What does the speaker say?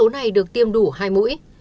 và bảy mươi số này được tiêm đủ hai mũi